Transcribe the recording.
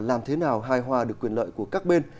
làm thế nào hài hòa được quyền lợi của các bên